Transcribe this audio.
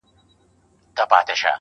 سـتـــا خــبــــــري دي.